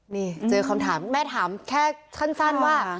นี่เจอคำถามแม่ถามแค่สั้นว่า